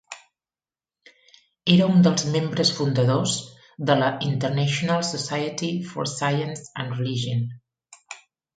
Era un dels membres fundadors de la International Society for Science and Religion.